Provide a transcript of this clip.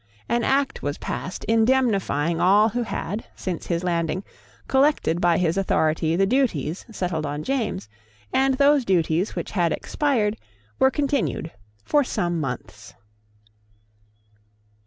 An Act was passed indemnifying all who had, since his landing, collected by his authority the duties settled on James; and those duties which had expired were continued for some months.